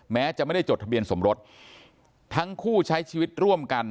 แม้จะไม่ได้จดทะเบียนสมรสทั้งคู่ใช้ชีวิตร่วมกัน